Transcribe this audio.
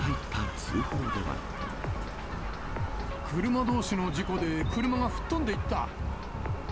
車どうしの事故で、車が吹っ飛んでいった。